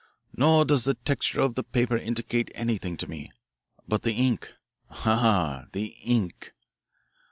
Nor does the texture of the paper indicate anything to me. But the ink ah, the ink.